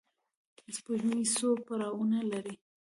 سپوږمۍ څو پړاوونه لري